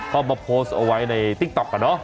เขามาโพสต์เอาไว้ในติ๊กต๊อกอะเนาะ